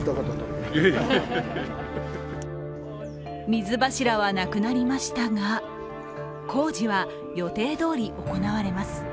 水柱はなくなりましたが、工事は予定どおり行われます。